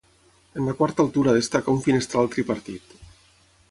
En la quarta altura destaca un finestral tripartit.